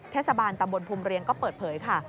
เทศบาลตำบลภูมิเรียงก็เปิดเผยค่ะ